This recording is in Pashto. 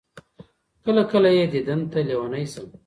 كله، كله يې ديدن تــه لـيونـى سم